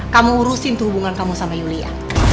kamu urusin tuh hubungan kamu sama yulia